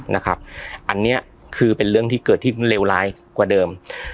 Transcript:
นะครับอันนี้คือเป็นเรื่องที่เกิดที่เลวร้ายกว่าเดิม